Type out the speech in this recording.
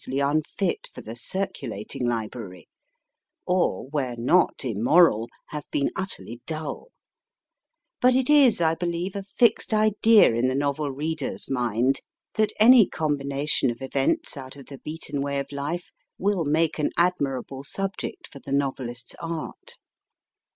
} unfit for the circulating li brary ; or, where not immoral, ,. have been utterly dull ; but it is, I believe, a fixed idea in the novel reader s mind that any combination of events out of the beaten way of life will make an admirable sub ject for the novelist s art.